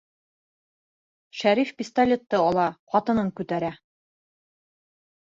Шәриф пистолетты ала, ҡатынын күтәрә.